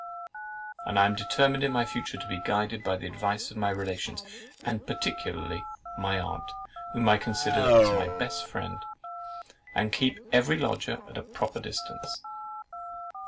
And I am determined in future to be guided by the advice of my relations, and particularly of my aunt, whom I consider as my best friend, and keep every lodger at a proper distance."